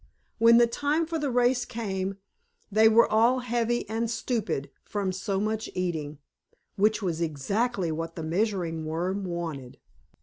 When the time for the race came, they were all heavy and stupid from so much eating, which was exactly what the Measuring Worm wanted.